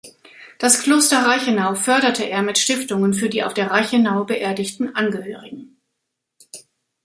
Das Kloster Reichenau förderte er mit Stiftungen für die auf der Reichenau beerdigten Angehörigen.